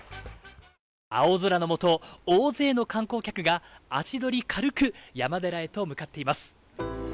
青空のもと、大勢の観光客が足取り軽く、山寺へ向かっています